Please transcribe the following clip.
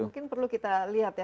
mungkin perlu kita lihat ya